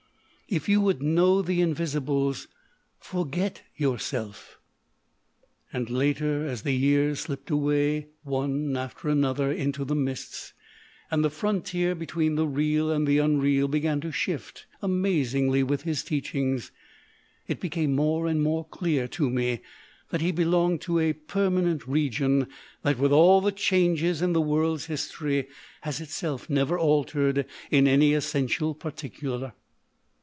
If you would know the Invisibles, forget yourself.' 1 And later, as the years slipped away one after another into the mists, and the frontier between the real and the unreal began to shift amazingly with his teachings, it became more and more clear to me that he belonged to a permanent region that, with all the changes in the world's history, has itself never altered in any essential particular.